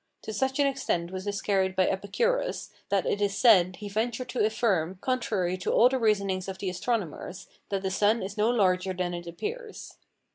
To such an extent was this carried by Epicurus, that it is said he ventured to affirm, contrary to all the reasonings of the astronomers, that the sun is no larger than it appears.